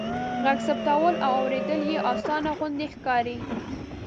ږغ ثبتول او اوریدل يې آسانه غوندې ښکاري.